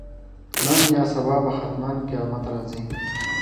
نن یا سبا به حتماً قیامت راځي.